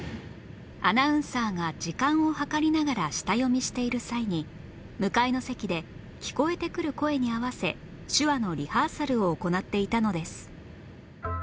アナウンサーが時間を計りながら下読みしている際に向かいの席で聞こえてくる声に合わせ手話のリハーサルを行っていたのです